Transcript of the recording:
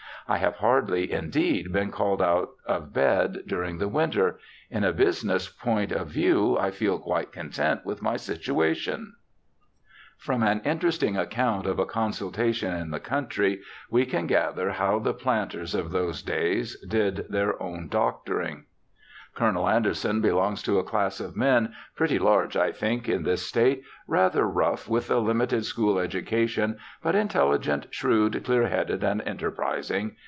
I have hardly, indeed, been called out of bed during the winter. In a business point of view I feel quite content with my situation.' From an interesting account of a consultation in the 122 BIOGRAPHICAL ESSAYS country we can gather how the planters of those days did their own doctoring : 'Col. Anderson belongs to a class of men, pretty large, I think, in this State, — rather rough, with a hmited school education, but intelligent, shrewd, clear headed, and enterprising.